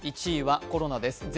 １位はコロナです。